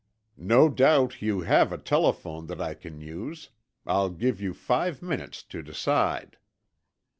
No doubt you have a telephone that I can use. I'll give you five minutes to decide."